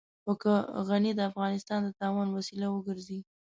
خو که غني د افغانستان د تاوان وسيله وګرځي.